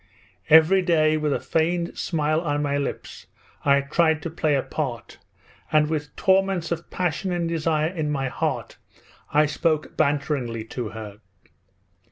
Every day with a feigned smile on my lips I tried to play a part, and with torments of passion and desire in my heart I spoke banteringly to her.